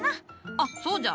あそうじゃ。